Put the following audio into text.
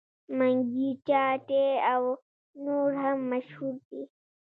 منګي چاټۍ او نور هم مشهور دي.